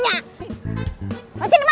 enggak terlalu kuingin dia